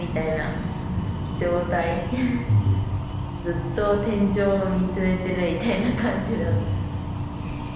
ずっと天井見つめてるみたいな感じだった。